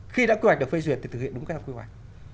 khi đã quy hoạch được phê duyệt thì thực hiện đúng cách quy hoạch